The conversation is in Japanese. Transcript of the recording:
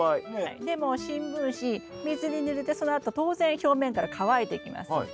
でも新聞紙水にぬれてそのあと当然表面から乾いていきます。